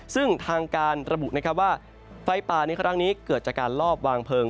ซึ่งทางการระบุว่าไฟป่าในครั้งนี้เกิดจากการลอบวางเพลิง